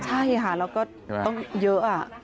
ใช่อาหารเราก็ต้องเยอะอ่ะ